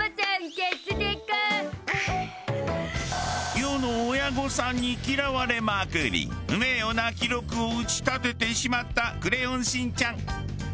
世の親御さんに嫌われまくり不名誉な記録を打ち立ててしまった『クレヨンしんちゃん』。